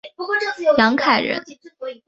杨凯人。